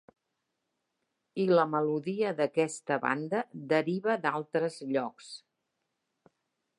I la melodia d'aquesta banda deriva d'altres llocs.